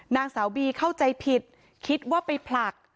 นางสาวบีเข้าใจผิดคิดว่าไปผลัก